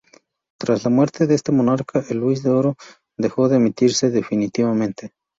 Tras la muerte de este monarca, el luis de oro dejó de emitirse definitivamente.